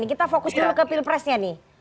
kita fokus dulu ke pilpresnya nih